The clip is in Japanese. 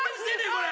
これ。